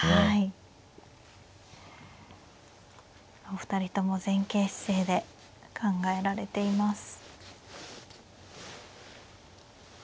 お二人とも前傾姿勢で考えられています。